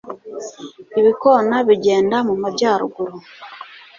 Ibikona bigenda mu majyaruguru